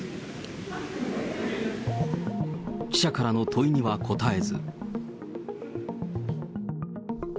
記者からの問いには答えず。